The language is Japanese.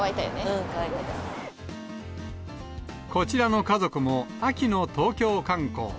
うん、こちらの家族も秋の東京観光。